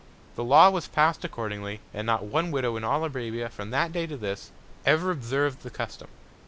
The Law was pass'd accordingly, and not one Widow in all Arabia, from that Day to this, ever observ'd the Custom.